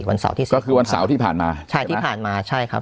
วันเสาร์ที่สี่ก็คือวันเสาร์ที่ผ่านมาใช่ไหมใช่ที่ผ่านมาใช่ครับ